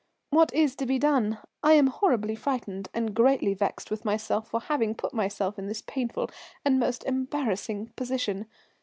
"What is to be done? I am horribly frightened, and greatly vexed with myself for having put myself in this painful and most embarrassing position.